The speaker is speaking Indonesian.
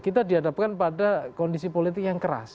kita dihadapkan pada kondisi politik yang keras